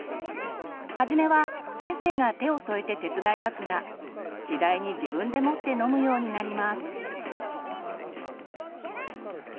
初めは先生が手を添えて手伝いますが次第に自分でもって飲むようになります。